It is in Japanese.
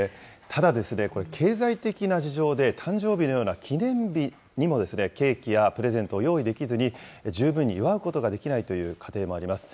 ただ、これ、経済的な事情で、誕生日のような記念日にも、ケーキやプレゼントを用意できずに、十分に祝うことができないという家庭もあります。